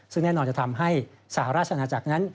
ซึ่งแน่นอนจะทำให้สหราชนาจักรนั้น